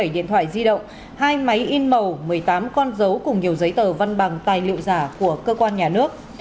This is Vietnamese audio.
một mươi điện thoại di động hai máy in màu một mươi tám con dấu cùng nhiều giấy tờ văn bằng tài liệu giả của cơ quan nhà nước